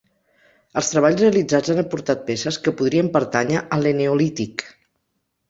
Els treballs realitzats han aportat peces que podrien pertànyer a l'Eneolític.